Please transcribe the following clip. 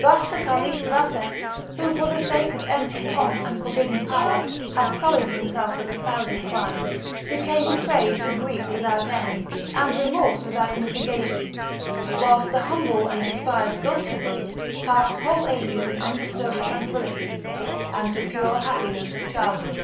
Thus the Caliph Vathek, who, for the sake of empty pomp and forbidden power, had sullied himself with a thousand crimes, became a prey to grief without end, and remorse without mitigation; whilst the humble and despised Gulchenrouz passed whole ages in undisturbed tranquillity, and the pure happiness of childhood.